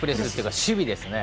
守備ですね。